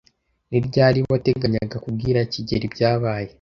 Ni ryari wateganyaga kubwira kigeli ibyabaye?